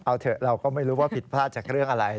เอาเถอะเราก็ไม่รู้ว่าผิดพลาดจากเรื่องอะไร